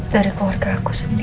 dari keluarga aku sendiri